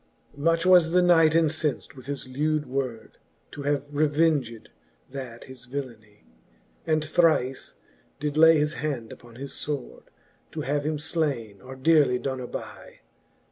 Much was the knight incenft with his lewd word, To have revenged that his villeny ; j^d thrife did lay his hand upon his fword. To have him (laine, or dearely doen aby.